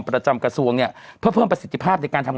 ประจำกระทรวงเนี่ยเพิ่มประสิทธิภาพในการ